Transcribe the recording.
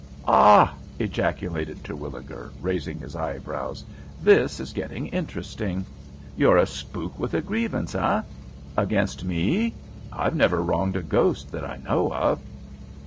"Ah!" ejaculated Terwilliger, raising his eyebrows, "this is getting interesting. You're a spook with a grievance, eh? Against me? I've never wronged a ghost that I know of."